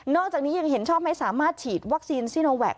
นอกจากนี้ยังเห็นชอบไม่สามารถฉีดวัคซีนโนแวก